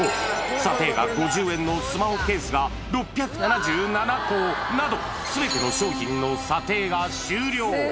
査定額５０円のスマホケースが６７７個など、すべての商品の査定が終了。